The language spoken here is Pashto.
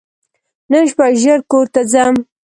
نن شپه ژر کور ته ځم !